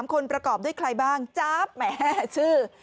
คนประกอบด้วยใครบ้างจ๊าบแหมชื่อ